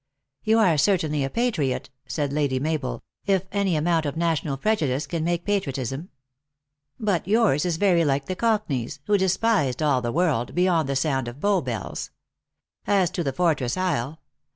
"You are certainly a patriot," said Lady Mabel, "if any amount of national prejudice can make patri otism. But yours is very like the cockney s, who de spised all the world, beyond the sound of Bow bells. As to the fortress isle.